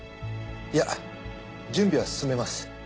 いや準備は進めます。